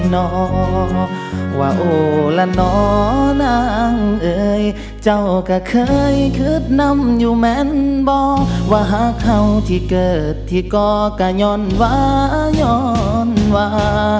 น้องว่าโอ้ละนอนางเอ่ยเจ้าก็เคยคิดนำอยู่แม่นบอกว่าหากเขาที่เกิดที่ก่อก็ย่อนวาย้อนวา